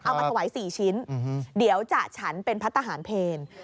เอามาถวาย๔ชิ้นเดี๋ยวจะฉันเป็นพระทหารเพล